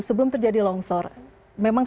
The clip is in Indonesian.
sebelum terjadi longsor memang